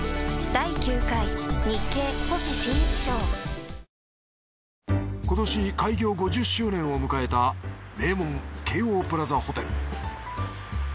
ＪＴ今年開業５０周年を迎えた名門京王プラザホテル。